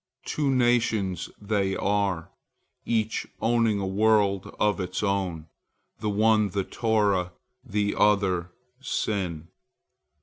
Two nations they are, each owning a world of its own, the one the Torah, the other sin.